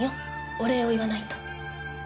お礼を言わないと。